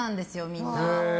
みんな。